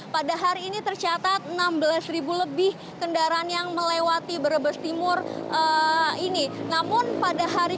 pada hari ini tercatat enam belas ribu lebih kendaraan yang melewati berbes timur ini